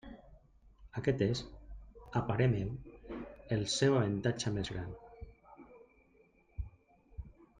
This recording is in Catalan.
Aquest és, a parer meu, el seu avantatge més gran.